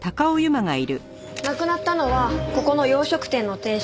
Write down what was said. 亡くなったのはここの洋食店の店主今井信彦さん